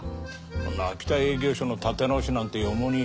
そんな秋田営業所の立て直しなんていう重荷